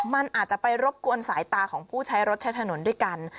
มันอาจจะไปรบกวนสายตาของผู้ใช้รถใช้ถนนด้วยกัน